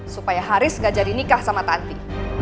supaya haris gak jadi nikah sama tanti